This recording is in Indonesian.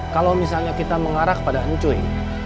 kalau misalnya kita mengarah kepada hencuy